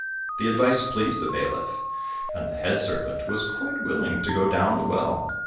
The advice pleased the bailiff, and the head servant was quite willing to go down the well.